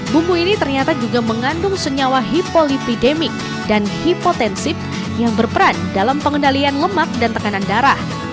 bumbu ini ternyata juga mengandung senyawa hipolipidemik dan hipotensif yang berperan dalam pengendalian lemak dan tekanan darah